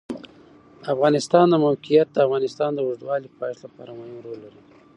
د افغانستان د موقعیت د افغانستان د اوږدمهاله پایښت لپاره مهم رول لري.